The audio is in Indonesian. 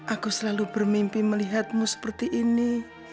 aku selalu bermimpi melihatmu seperti ini